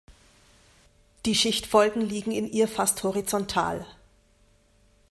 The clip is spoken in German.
Die Schichtfolgen liegen in ihr fast horizontal.